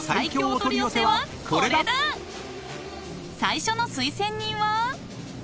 ［最初の推薦人は？］